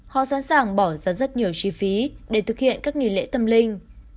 họ sẵn sàng bỏ ra rất nhiều chi phí để thực hiện các nghỉ lễ tâm linh